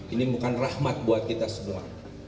ini bukan rahmat buat kita semua